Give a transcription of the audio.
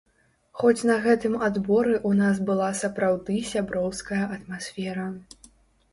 Хоць на гэтым адборы ў нас была сапраўды сяброўская атмасфера.